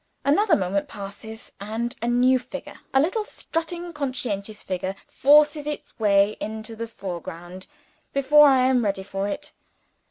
Another moment passes, and a new figure a little strutting consequential figure forces its way into the foreground, before I am ready for it.